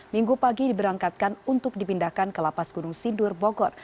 minggu pagi diberangkatkan untuk dipindahkan ke lapas gunung sindur bogor